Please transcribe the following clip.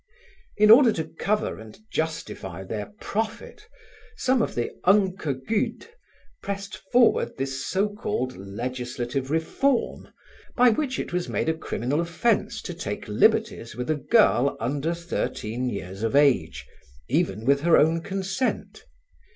In order to cover and justify their prophet some of the "unco guid" pressed forward this so called legislative reform, by which it was made a criminal offence to take liberties with a girl under thirteen years of age even with her own consent.